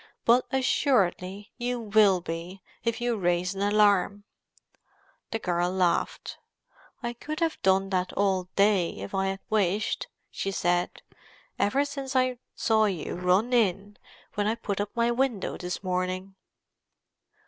"But assuredly you will be, if you raise an alarm." The girl laughed. "I could have done that all day, if I had wished," she said. "Ever since I saw you run in when I put up my window this morning."